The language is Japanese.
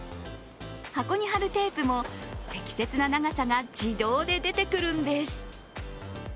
箱に貼るテープも適切な長さが自動で出てくるんです。